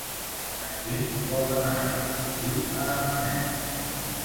En Quim vol demanar per sortir a en Manel.